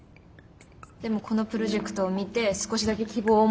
でもこのプロジェクトを見て少しだけ希望を。